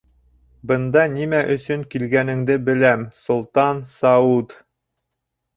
— Бында нимә өсөн килгәнеңде беләм, солтан Саауд!